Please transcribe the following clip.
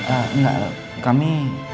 ehm enggak kami